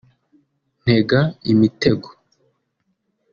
ntega imitego